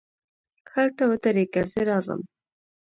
هلته ودرېږه، زه راځم.